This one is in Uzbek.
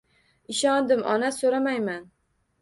Ishondim, ona, so'ramayman.